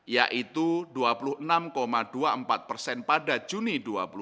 yaitu dua puluh enam dua puluh empat persen pada juni dua ribu dua puluh